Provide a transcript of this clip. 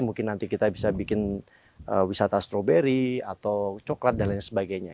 mungkin nanti kita bisa bikin wisata stroberi atau coklat dan lain sebagainya